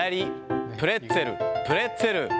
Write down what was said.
プレッツェル、プレッツェル。